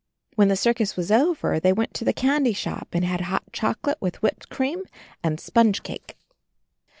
When the circus was over they went to 62 CHARLIE the candy shop and had hot chocolate with whipped cream, and sponge cake.